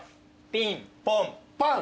ピンポンパン。